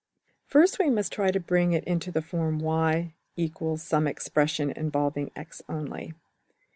First we must try to bring it into the form $y ={}$ some expression involving $x$~only.